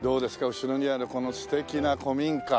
後ろにあるこの素敵な古民家。